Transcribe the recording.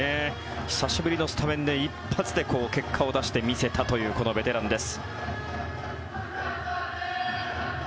久しぶりのスタメンで一発で結果を出してみせたというこのベテランです。